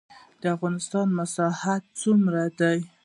د افغانستان مساحت څومره دی؟